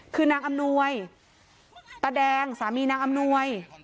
คือนางอำนวยตาแดงสามีนางอำนวย